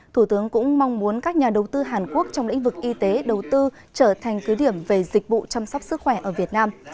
thủ tướng cũng mong muốn các nhà đầu tư hàn quốc trong lĩnh vực y tế đầu tư trở thành cứ điểm về dịch vụ chăm sóc sức khỏe ở việt nam